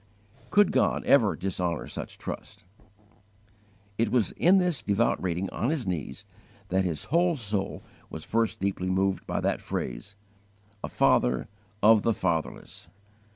Could God ever dishonour such trust? It was in this devout reading on his knees that his whole soul was first deeply moved by that phrase, "A FATHER OF THE FATHERLESS."